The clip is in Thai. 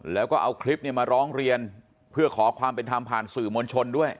แล้วก็เอาคลิปเนี่ยมาร้องเรียนเพื่อขอความเป็นธรรมผ่านสื่อมวลชนด้วย